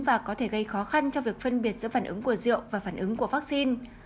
và có thể gây khó khăn cho việc phân biệt giữa phản ứng của rượu và phản ứng của vaccine